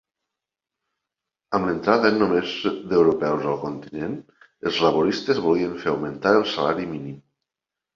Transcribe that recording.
Amb l'entrada només d'europeus al continent, els laboristes volien fer augmentar el salari mínim.